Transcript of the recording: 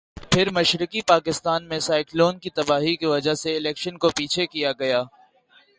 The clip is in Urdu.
پھر مشرقی پاکستان میں سائیکلون کی تباہی کی وجہ سے الیکشن کو پیچھے کیا گیا۔